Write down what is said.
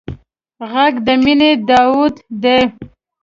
غږ د مینې داوود دی